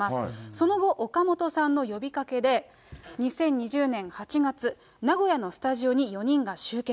その後、岡本さんの呼びかけで、２０２０年８月、名古屋のスタジオに４人が集結。